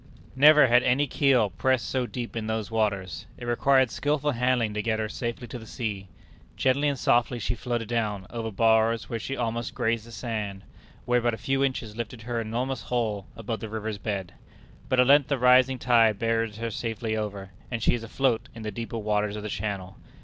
Never had any keel pressed so deep in those waters. It required skilful handling to get her safely to the sea. Gently and softly she floated down, over bars where she almost grazed the sand, where but a few inches lifted her enormous hull above the river's bed. But at length the rising tide bears her safely over, and she is afloat in the deeper waters of the Channel.